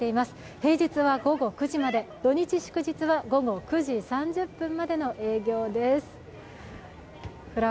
平日は午後９時まで土日・祝日は午後９時３０分までの営業です。